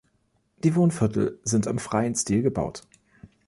Die Wohnviertel sind im freien Stil gebaut.